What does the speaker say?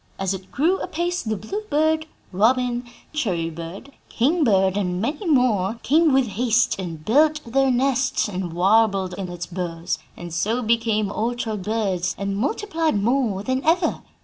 As it grew apace the bluebird, robin, cherry bird, king bird, and many more, came with haste and built their nests and warbled in its boughs, and so became orchard birds and multiplied more than ever.